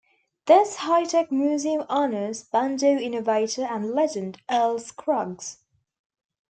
This high tech museum honors banjo innovator and legend Earl Scruggs.